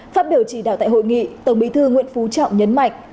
phát biểu chỉ đạo tại hội nghị tổng bí thư nguyễn phú trọng nhấn mạnh